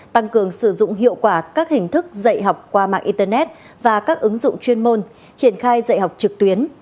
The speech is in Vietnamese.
tăng cường sử dụng hiệu quả các hình thức dạy học qua mạng internet và các ứng dụng chuyên môn triển khai dạy học trực tuyến